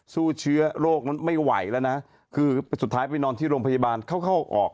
สู้เชื้อโรคนั้นไม่ไหวแล้วนะคือสุดท้ายไปนอนที่โรงพยาบาลเข้าเข้าออก